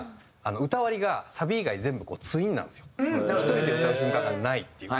１人で歌う瞬間がないっていう。